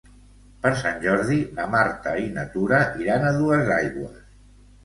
Per Sant Jordi na Marta i na Tura iran a Duesaigües.